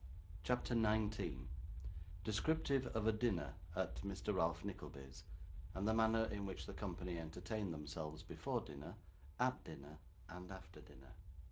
CHAPTER 19 Descriptive of a Dinner at Mr. Ralph Nickleby's, and of the Manner in which the Company entertained themselves, before Dinner, at Dinner, and after Dinner.